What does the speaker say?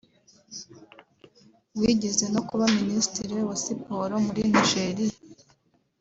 wigeze no kuba Minisitiri wa Siporo muri Nigeria